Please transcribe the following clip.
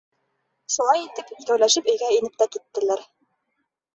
Шулай итеп, икәүләшеп өйгә инеп тә киттеләр.